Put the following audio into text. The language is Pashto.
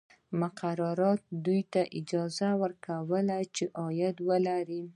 مقرراتو دوی ته اجازه نه ورکوله چې عاید ولري.